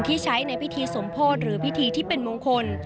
ที่ใช้ในพิธีสมโพธิหรือพิธีที่เป็นมงคล